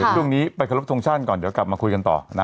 ช่วงนี้ไปขอรบทรงชาติก่อนเดี๋ยวกลับมาคุยกันต่อ